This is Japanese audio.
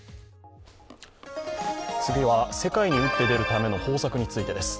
次は、世界に打って出るための方策についてです。